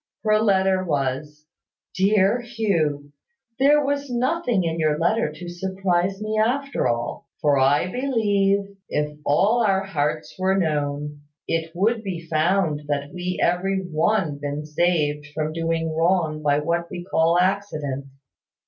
Her letter was, "Dear Hugh, "There was nothing in your letter to surprise me at all; for I believe, if all our hearts were known, it would be found that we have every one been saved from doing wrong by what we call accident.